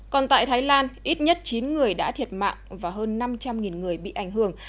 còn tại thái lan ít nhất chín người đã thiệt mạng và hơn năm trăm linh người bị ảnh hưởng